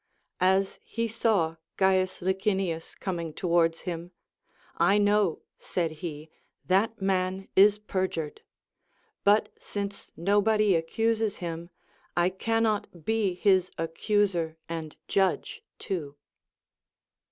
As he saw C. Licinius coming towards him, I know, said he, that man is perjured; but since nobody accuses him, I caunot be his accuser and judge too.